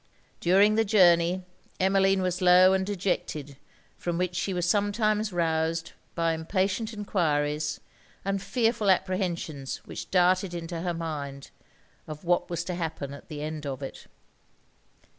During the journey, Emmeline was low and dejected; from which she was sometimes roused by impatient enquiries and fearful apprehensions which darted into her mind, of what was to happen at the end of it.